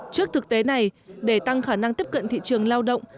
trước thực tế này để tăng khả năng tiếp cận thị trường lao động